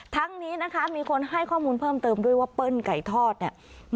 ทั้งนี้นะคะมีคนให้ข้อมูลเพิ่มเติมด้วยว่าเปิ้ลไก่ทอดเนี่ย